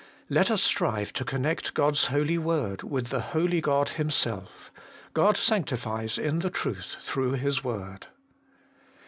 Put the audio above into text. Let us strive to connect God's Holy Word with the Holy God Himself. God sanctifies in the Truth through His word.